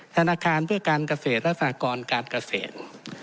ธนาคารเพื่อการเกษตรและสหกรการเกษตร